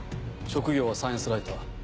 職業はサイエンスライター。